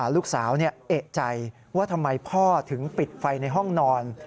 ลูกสาวเอกใจว่าทำไมพ่อถึงปิดไฟในห้องนอน